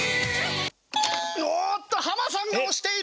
おーっとハマさんが押している！